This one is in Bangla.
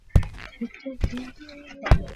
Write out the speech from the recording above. আমি ঠিক হতে চাই না।